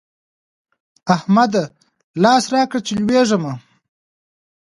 احمده! لاس راکړه چې لوېږم.